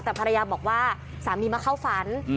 แต่ภรรยาบอกว่าสามีมาเข้าฝัน